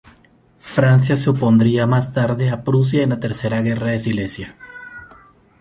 Francia se opondría más tarde a Prusia en la Tercera Guerra de Silesia.